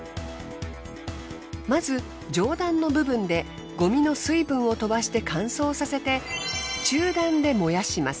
まず上段の部分でごみの水分をとばして乾燥させて中段で燃やします。